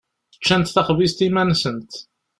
Ččant taxbizt iman-nsent.